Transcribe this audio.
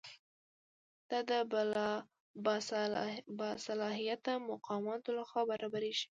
دا د باصلاحیته مقاماتو لخوا برابریږي.